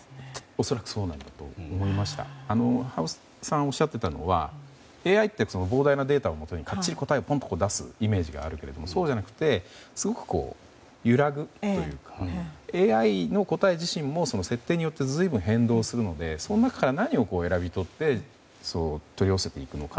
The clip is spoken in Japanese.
恐らくそうだと思いました羽生さんがおっしゃっていたのはＡＩって膨大なデータをもとにかっちりと答えを出すイメージがあるけれどもそうじゃなくてすごく揺らぐというかＡＩの答え自身も設定によって随分、変動するのでその中から何を選び取って取り寄せていくのか。